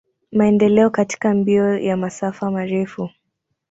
Maendeleo katika mbio ya masafa marefu.